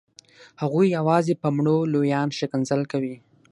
هغوی یوازې په مړو لویان ښکنځل کوي.